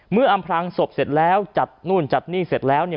อำพลังศพเสร็จแล้วจัดนู่นจัดนี่เสร็จแล้วเนี่ย